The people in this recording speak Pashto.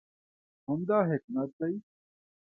همدا حکمت دی.